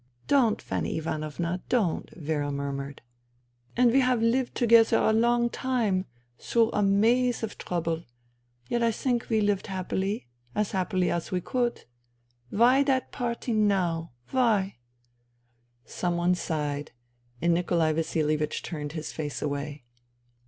" Don't, Fanny Ivanovna, don't," Vera murmured. " And we have lived together a long time, through a maze of trouble, yet I think we lived happily — as happily as we could. Why that parting now ? Why? ..." Someone sighed, and Nikolai Vasilievich turned his face away.